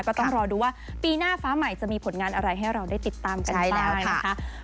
ก็ต้องรอดูว่าปีหน้าฟ้าใหม่จะมีผลงานอะไรให้เราได้ติดตามกันได้แล้วนะคะ